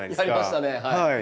やりましたね。